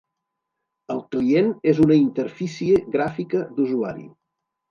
El client és una interfície gràfica d'usuari.